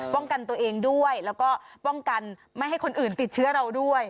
ป้องกันตัวเองด้วยแล้วก็ป้องกันไม่ให้คนอื่นติดเชื้อเราด้วย